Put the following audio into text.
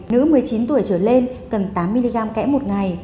nữ một mươi chín tuổi trở lên cần tám mg kẽ một ngày